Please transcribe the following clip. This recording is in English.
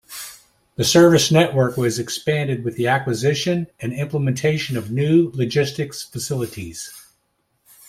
The service network was expanded with the acquisition and implementation of new logistics facilities.